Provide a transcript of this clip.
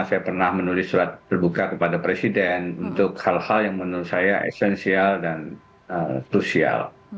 saya pernah menulis surat terbuka kepada presiden untuk hal hal yang menurut saya esensial dan krusial